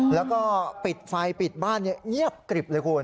แล้วก็ปิดไฟปิดบ้านเงียบกริบเลยคุณ